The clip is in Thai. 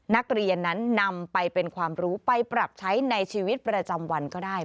นักเรียนนั้นนำไปเป็นความรู้ไปปรับใช้ในชีวิตประจำวันก็ได้